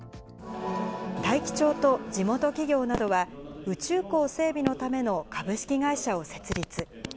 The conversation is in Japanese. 大樹町と地元企業などは、宇宙港整備のための株式会社を設立。